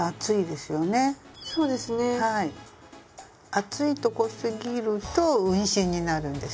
厚いとこすぎると運針になるんですけど。